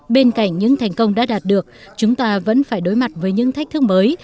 bên cạnh những thành công đã đạt được chúng ta vẫn phải đối mặt với những thách thức mới